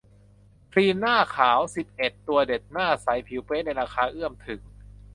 ครีมหน้าขาว สิบเอ็ด ตัวเด็ด หน้าใสผิวเป๊ะในราคาเอื้อมถึง